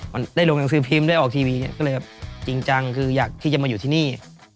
มันได้ลงหนังสือพิมพ์ได้ออกทีวีก็เลยแบบจริงจังคืออยากที่จะมาอยู่ที่นี่